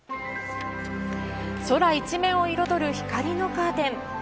空一面を彩る光のカーテン。